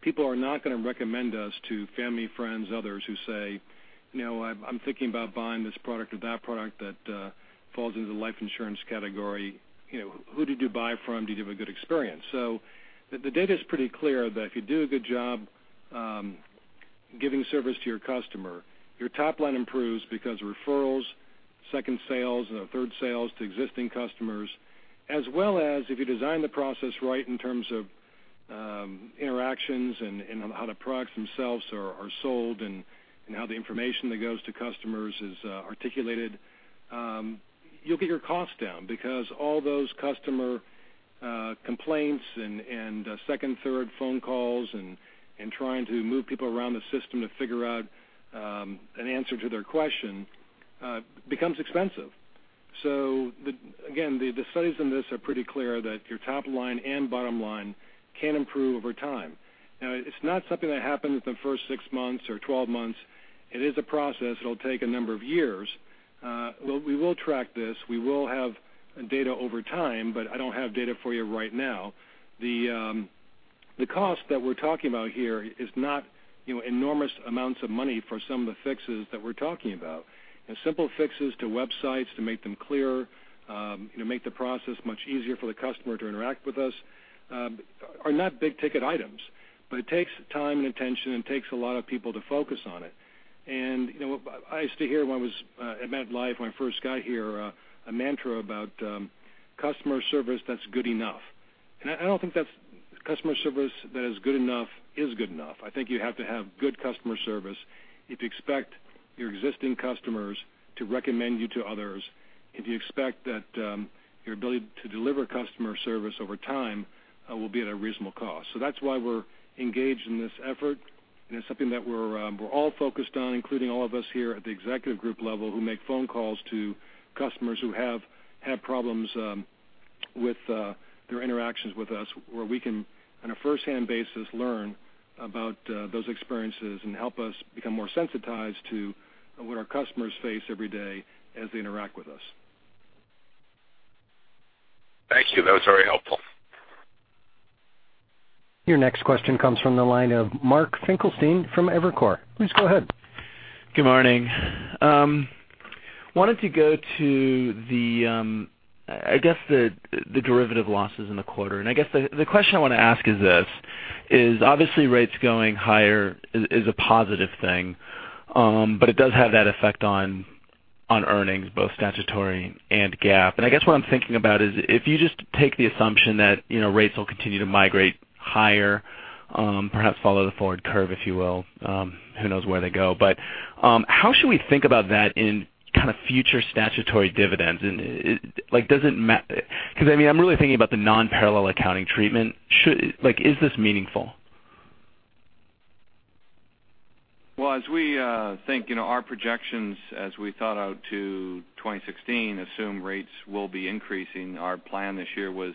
people are not going to recommend us to family, friends, others who say, "I'm thinking about buying this product or that product that falls into the life insurance category. Who did you buy from? Did you have a good experience?" The data's pretty clear that if you do a good job giving service to your customer, your top line improves because referrals, second sales, and third sales to existing customers, as well as if you design the process right in terms of interactions and how the products themselves are sold and how the information that goes to customers is articulated, you'll get your cost down because all those customer complaints and second, third phone calls and trying to move people around the system to figure out an answer to their question becomes expensive. Again, the studies on this are pretty clear that your top line and bottom line can improve over time. It's not something that happens in the first six months or 12 months. It is a process. It'll take a number of years. We will track this. We will have data over time, but I don't have data for you right now. The cost that we're talking about here is not enormous amounts of money for some of the fixes that we're talking about. Simple fixes to websites to make them clearer, make the process much easier for the customer to interact with us, are not big-ticket items. It takes time and attention, and it takes a lot of people to focus on it. I used to hear at MetLife when I first got here, a mantra about customer service that's good enough. I don't think that customer service that is good enough is good enough. I think you have to have good customer service if you expect your existing customers to recommend you to others, if you expect that your ability to deliver customer service over time will be at a reasonable cost. That's why we're engaged in this effort. It's something that we're all focused on, including all of us here at the executive group level, who make phone calls to customers who have had problems with their interactions with us, where we can, on a first-hand basis, learn about those experiences and help us become more sensitized to what our customers face every day as they interact with us. Thank you. That was very helpful. Your next question comes from the line of Mark Finkelstein from Evercore. Please go ahead. Good morning. Wanted to go to the, I guess the derivative losses in the quarter. I guess the question I want to ask is this, is obviously rates going higher is a positive thing. It does have that effect on earnings, both statutory and GAAP. I guess what I'm thinking about is if you just take the assumption that rates will continue to migrate higher, perhaps follow the forward curve, if you will, who knows where they go, but how should we think about that in kind of future statutory dividends? Because I'm really thinking about the non-parallel accounting treatment. Is this meaningful? As we think, our projections as we thought out to 2016 assume rates will be increasing. Our plan this year was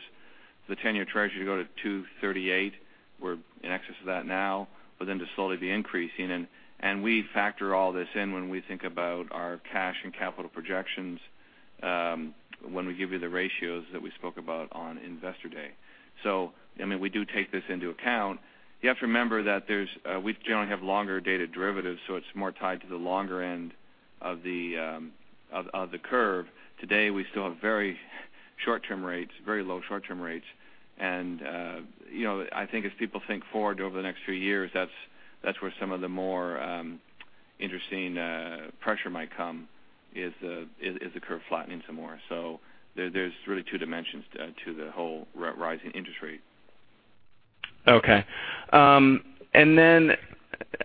the 10-year treasury to go to 238. We're in excess of that now, to slowly be increasing. We factor all this in when we think about our cash and capital projections, when we give you the ratios that we spoke about on Investor Day. We do take this into account. You have to remember that we generally have longer dated derivatives, it's more tied to the longer end of the curve. Today, we still have very low short-term rates. I think as people think forward over the next few years, that's where some of the more interesting pressure might come, is the curve flattening some more. There's really two dimensions to the whole rising industry. Okay.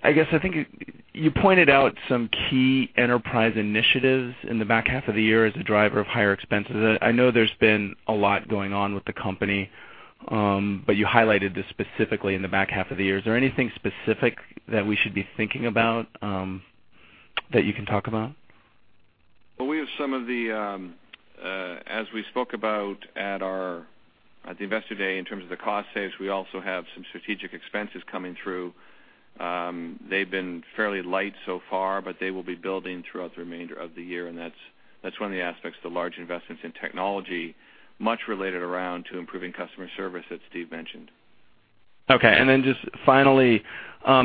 I guess I think you pointed out some key enterprise initiatives in the back half of the year as a driver of higher expenses. I know there's been a lot going on with the company, you highlighted this specifically in the back half of the year. Is there anything specific that we should be thinking about that you can talk about? Well, as we spoke about at the Investor Day in terms of the cost saves, we also have some strategic expenses coming through. They've been fairly light so far, they will be building throughout the remainder of the year, that's one of the aspects, the large investments in technology, much related around to improving customer service that Steve mentioned. Okay. Just finally,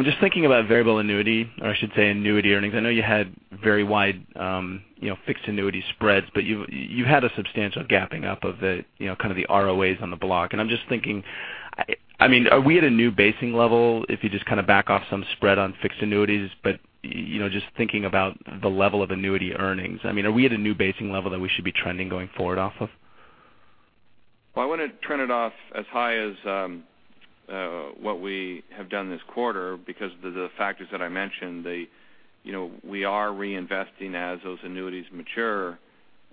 just thinking about variable annuity, or I should say annuity earnings. I know you had very wide fixed annuity spreads, you had a substantial gapping up of kind of the ROAs on the block. I'm just thinking, are we at a new basing level if you just kind of back off some spread on fixed annuities? Just thinking about the level of annuity earnings, are we at a new basing level that we should be trending going forward off of? Well, I wouldn't trend it off as high as what we have done this quarter because the factors that I mentioned, we are reinvesting as those annuities mature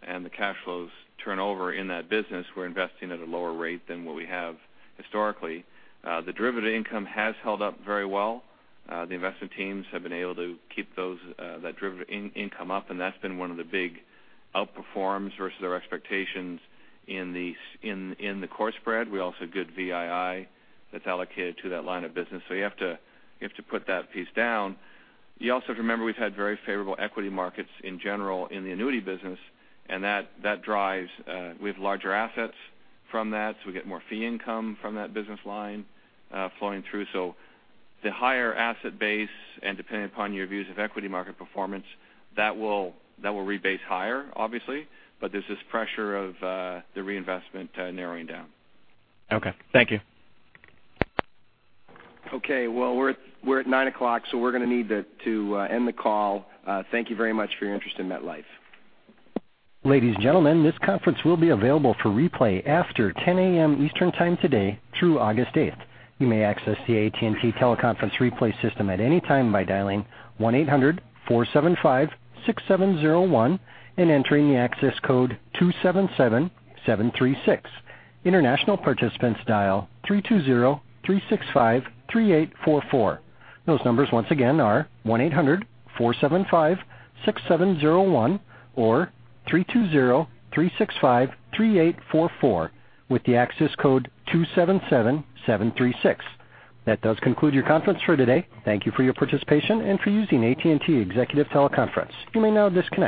and the cash flows turn over in that business, we're investing at a lower rate than what we have historically. The derivative income has held up very well. The investment teams have been able to keep that derivative income up, and that's been one of the big outperforms versus our expectations in the core spread. We also have good VII that's allocated to that line of business. You have to put that piece down. You also have to remember we've had very favorable equity markets in general in the annuity business, and we have larger assets from that, so we get more fee income from that business line flowing through. The higher asset base, and depending upon your views of equity market performance, that will rebase higher, obviously, but there's this pressure of the reinvestment narrowing down. Okay. Thank you. Okay, well, we're at 9:00 A.M., so we're going to need to end the call. Thank you very much for your interest in MetLife. Ladies and gentlemen, this conference will be available for replay after 10:00 A.M. Eastern Time today through August 8th. You may access the AT&T teleconference replay system at any time by dialing 1-800-475-6701 and entering the access code 277736. International participants dial 3203653844. Those numbers once again are 1-800-475-6701 or 3203653844 with the access code 277736. That does conclude your conference for today. Thank you for your participation and for using AT&T Executive Teleconference. You may now disconnect.